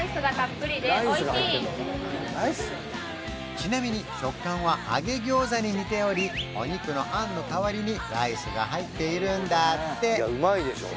ちなみに食感は揚げギョーザに似ておりお肉の餡の代わりにライスが入っているんだって